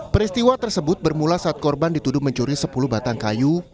peristiwa tersebut bermula saat korban dituduh mencuri sepuluh batang kayu